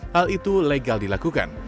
hal itu legal dilakukan